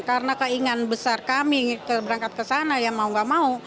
karena keinginan besar kami berangkat kesana ya mau nggak mau